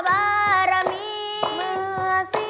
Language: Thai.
ธรรมดา